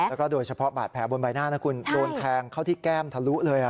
แล้วก็โดยเฉพาะบาดแผลบนใบหน้านะคุณโดนแทงเข้าที่แก้มทะลุเลย